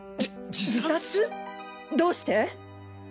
どうして！？